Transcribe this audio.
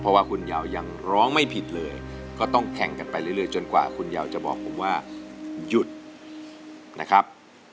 เพราะว่าคุณยาวยังร้องไม่ผิดเลยก็ต้องแข่งกันไปเรื่อยจนกว่าคุณยาวจะบอกผมว่าหยุดนะครับ